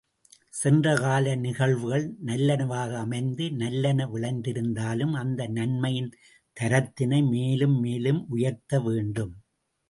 சென்றகால நிகழ்வுகள் நல்லனவாக அமைந்து நல்லன விளைந்திருந்தாலும் அந்த நன்மையின் தரத்தினை மேலும் மேலும் உயர்த்த வேண்டும்.